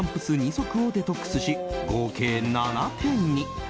足をデトックスし、合計７点に。